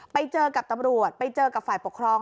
ไปเจอกับตำรวจไปเจอกับฝ่ายปกครอง